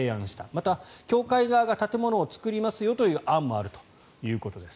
また、協会側が建物を作りますよという案もあるということです。